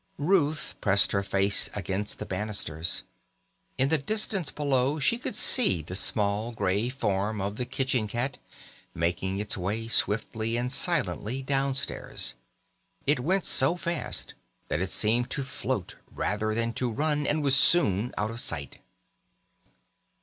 Ruth pressed her face against the balusters. In the distance below she could see the small grey form of the kitchen cat making its way swiftly and silently downstairs. It went so fast that it seemed to float rather than to run, and was soon out of sight.